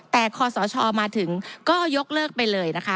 แต่คอสชมาถึงก็ยกเลิกไปเลยนะคะ